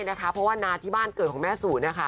เพราะว่านานที่ต้องเริ่มแม่สู่